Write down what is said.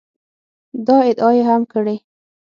دا ادعا یې هم کړې